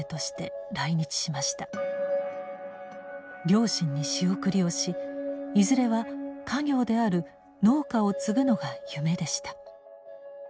両親に仕送りをしいずれは家業である農家を継ぐのが夢でした。